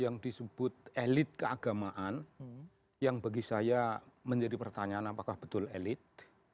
yang disebut elit keagamaan yang bagi saya menjadi pertanyaan apakah betul elit